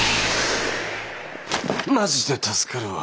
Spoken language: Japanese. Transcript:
マジで助かるわ。